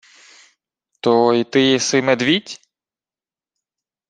— То й ти єси медвідь?!